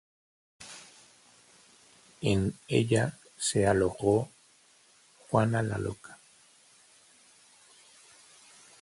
En ella se alojó Juana la Loca.